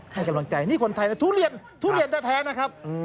ให้กันบังใจนี่คนไทยทุเรียนจริงแท้นะครับ